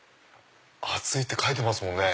熱いって書いてますね。